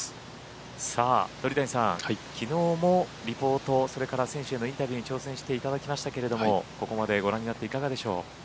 鳥谷さん、きのうもリポートそれから選手へのインタビューに挑戦していただきましたけどここまでご覧になっていかがでしょう？